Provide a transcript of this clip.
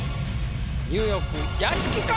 「ニューヨーク」屋敷か？